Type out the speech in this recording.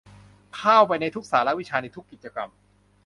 เข้าไปในทุกสาระวิชาในทุกกิจกรรม